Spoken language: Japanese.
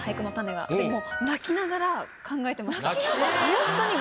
ホントに。